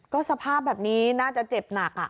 ก็สภาพแบบนี้น่าจะเจ็บหนัก